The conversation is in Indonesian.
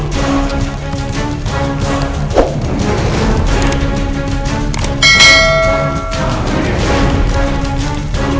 kau akan menyerah